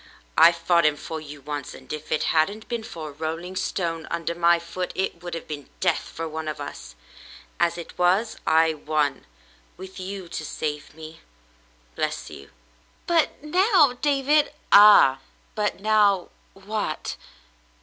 I fought him for you once, and if it hadn't been for a rolling stone under my foot, it would have been death for one of us. As it was, I won — with you to save me — bless you." "Butnow, David— " "Ah, but now — what